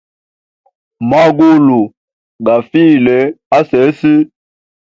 Mangalu, gafile asesi.